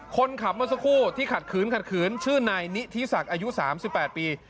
คนขับเมื่อสักครู่ที่ขัดขืนขัดขืนชื่อนายนิธิศักดิ์อายุ๓๘ปี